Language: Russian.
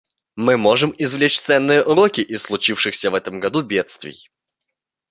Мы можем извлечь ценные уроки из случившихся в этом году бедствий.